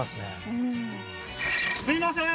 うんすいません